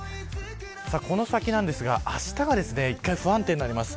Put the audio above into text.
この先ですがあしたは一回不安定になります。